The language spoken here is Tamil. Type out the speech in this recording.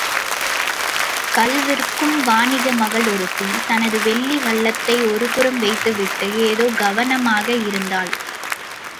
கள் விற்கும் வாணிக மகள் ஒருத்தி தனது வெள்ளி வள்ளத்தை ஒரு புறம் வைத்துவிட்டு ஏதோ கவனமாக இருந்தாள்.